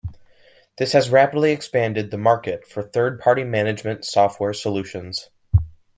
This has rapidly expanded the market for third-party management software solutions.